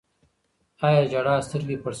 آیا ژړا سترګې پړسوي؟